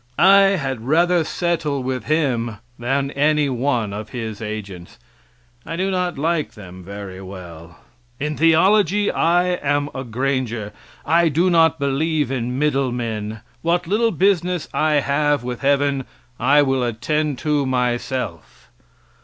I had rather settle with Him than any one of His agents. I do not like them very well. In theology I am a granger I do not believe in middle men, what little business I have with heaven I will attend to thyself.